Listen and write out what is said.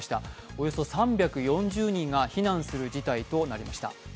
およそ３４０人が避難する事態となりました。